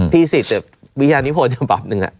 ที่สิทธิ์วิชานิโภคจะปรับหนึ่ง